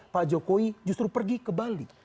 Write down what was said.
pak jokowi justru pergi ke bali